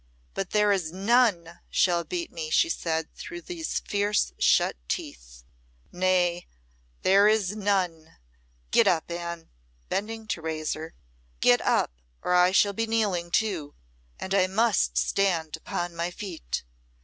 "But there is none shall beat me," she said through these fierce shut teeth. "Nay I there is none! Get up, Anne," bending to raise her. "Get up, or I shall be kneeling too and I must stand upon my feet."